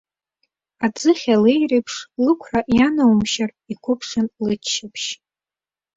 Аӡыхь алеира еиԥш, лықәра ианаумшьартә, иқәыԥшын лыччаԥшь.